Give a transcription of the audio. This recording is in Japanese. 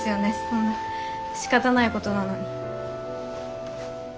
そんなしかたないことなのに。